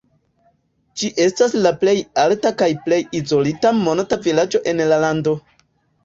Ĝi estas la plej alta kaj plej izolita monta vilaĝo en la lando.